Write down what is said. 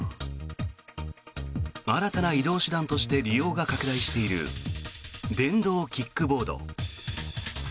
新たな移動手段として利用が拡大している電動キックボード。